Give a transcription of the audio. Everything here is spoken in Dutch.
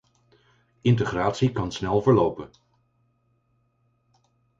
Integratie kan snel verlopen.